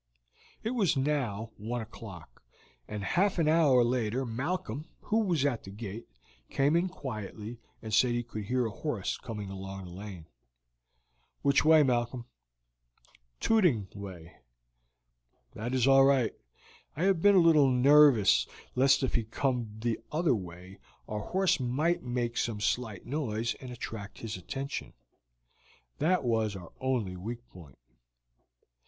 It was now one o'clock, and half an hour later Malcolm, who was at the gate, came in quietly and said he could hear a horse coming along the lane. "Which way, Malcolm?" "Tooting way." "That is all right. I have been a little nervous lest if he came the other way our horse might make some slight noise and attract his attention; that was our only weak point."